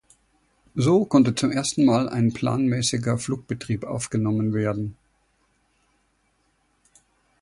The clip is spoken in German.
So konnte zum ersten Mal ein planmäßiger Flugbetrieb aufgenommen werden.